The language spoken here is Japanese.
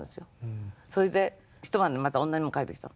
それで一晩でまた同じものを書いてきたの。